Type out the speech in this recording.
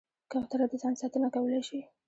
کوتره د ځان ساتنه کولی شي.